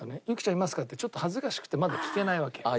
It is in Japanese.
「ユキちゃんいますか？」ってちょっと恥ずかしくてまだ聞けないわけ。